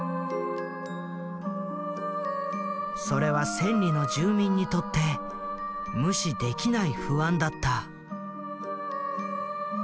それは千里の住民にとって無視できない不安だった。